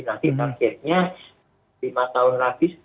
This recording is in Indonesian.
nanti targetnya lima tahun lagi